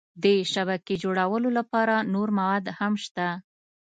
د شبکې جوړولو لپاره نور مواد هم شته.